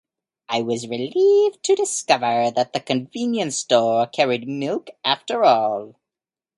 I was relieved to discover that the convenience store carried milk after all.